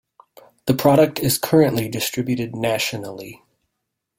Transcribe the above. The product is currently distributed nationally.